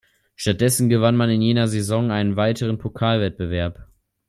Stattdessen gewann man in jener Saison einen weiteren Pokalwettbewerb.